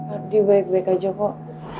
aduh baik baik aja kok